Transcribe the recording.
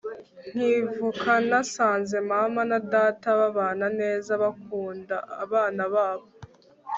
nkivuka nasanze mama na data babana neza, bakunda abana babo